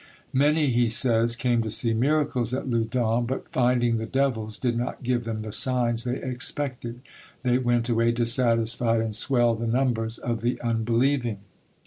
"Many," he says, "came to see miracles at Loudun, but finding the devils did not give them the signs they expected, they went away dissatisfied, and swelled the numbers of the unbelieving."